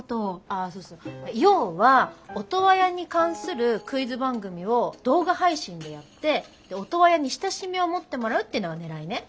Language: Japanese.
あそうそう要はオトワヤに関するクイズ番組を動画配信でやってオトワヤに親しみを持ってもらうっていうのがねらいね。